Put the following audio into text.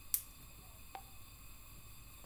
湘鄂赣苏区设。